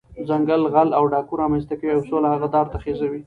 جنګ غل او ډاګو رامنځ ته کوي، او سوله هغه دار ته خېږوي.